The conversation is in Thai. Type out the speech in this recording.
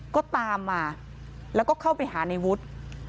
ก็ตามมาแล้วก็เข้าไปหาในวุฒิ